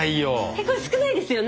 えこれ少ないですよね？